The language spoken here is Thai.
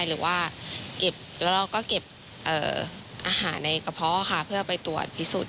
หรือว่าเก็บแล้วเราก็เก็บอาหารในกระเพาะค่ะเพื่อไปตรวจพิสูจน์